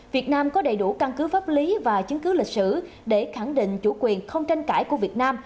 việt nam có đầy đủ căn cứ pháp lý và chứng cứ lịch sử để khẳng định chủ quyền không tranh cãi của việt nam